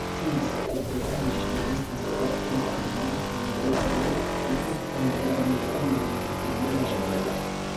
Tiuj skulptaĵoj estas ofte ornamitaj de tre kompleksaj geometriaj desegnaĵoj.